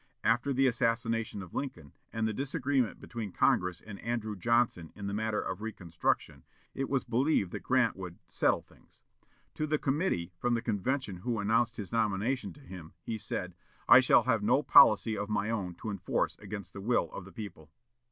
After the assassination of Lincoln, and the disagreement between Congress and Andrew Johnson in the matter of reconstruction, it was believed that Grant would "settle things." To the committee from the convention who announced his nomination to him, he said, "I shall have no policy of my own to enforce against the will of the people."